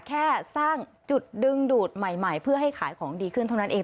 แค่สร้างจุดดึงดูดใหม่เพื่อให้ขายของดีขึ้นเท่านั้นเอง